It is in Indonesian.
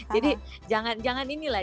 jadi jangan ini lah